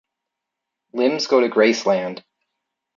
Limbs go to Graceland.